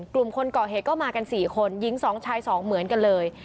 กลุ่มคนก่อเหตุก็มากันสี่คนยิงสองชายสองเหมือนกันเลย